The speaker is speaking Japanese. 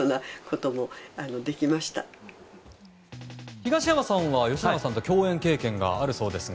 東山さんは吉永さんと共演経験があるそうですが。